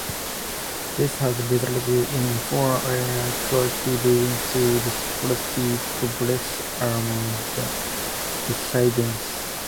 This has resulted in poor air quality, leading to respiratory problems among the residents.